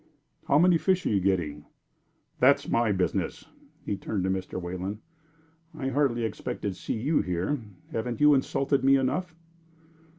"How many fish are you getting?" "That is my business." He turned to Mr. Wayland. "I hardly expected to see you here. Haven't you insulted me enough?"